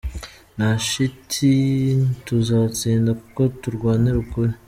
Nta shiti tuzatsinda kuko turwanira ukuri.